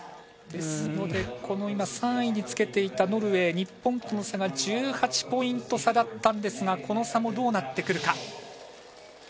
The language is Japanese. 今３位につけていたノルウェー、日本との差が１８ポイント差だったんですがこの差もどうなってくるか。